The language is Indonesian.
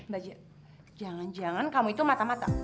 bajaj jangan jangan kamu itu mata mata